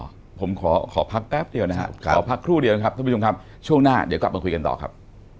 เดี๋ยวผมขอพักแป๊บเดียวนะครับขอพักครู่เดียวนะครับท่านผู้ชมครับช่วงหน้าเดี๋ยวกลับมาคุยกันต่อครับ